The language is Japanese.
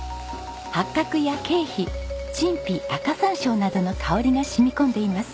八角や桂皮陳皮赤山椒などの香りが染み込んでいます。